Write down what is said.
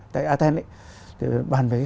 tại athens bàn về